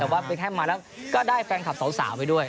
แต่ว่าไปแฮมมาแล้วก็ได้แฟนคลับสาวไปด้วย